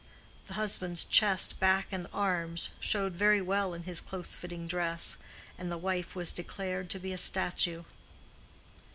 The husband's chest, back, and arms, showed very well in his close fitting dress, and the wife was declared to be a statue.